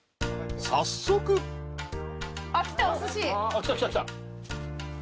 ［早速］来た来た来た。